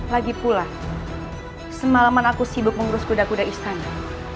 lagipula semalaman aku sibuk mengurus kuda kuda istana